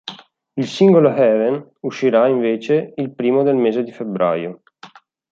Il singolo Heaven uscirà, invece, il primo del mese di febbraio.